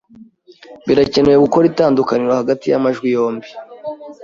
Birakenewe gukora itandukaniro hagati y amajwi yombi.